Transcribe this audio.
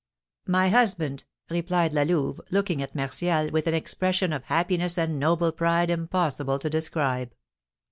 "My husband!" replied La Louve, looking at Martial with an expression of happiness and noble pride impossible to describe.